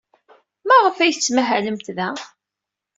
Maɣef ay tettmahalemt da?